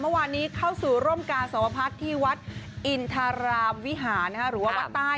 เมื่อวานนี้เข้าสู่ร่มกาสวพัฒน์ที่วัดอินทารามวิหารหรือว่าวัดใต้